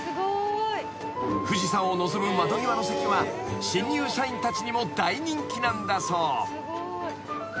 ［富士山を望む窓際の席は新入社員たちにも大人気なんだそう］